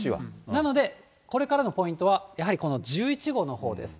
なので、これからのポイントはやはり、１１号のほうです。